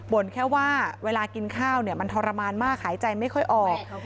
แค่ว่าเวลากินข้าวมันทรมานมากหายใจไม่ค่อยออก